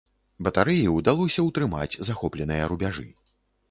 Батарэі ўдалося ўтрымаць захопленыя рубяжы.